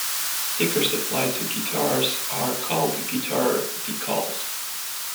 Stickers applied to guitars are called guitar decals.